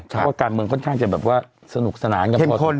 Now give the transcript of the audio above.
เพราะว่าการเมืองค่อนข้างจะแบบว่าสนุกสนานกันพอสมควร